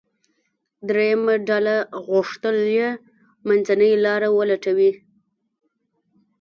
درېیمه ډله غوښتل یې منځنۍ لاره ولټوي.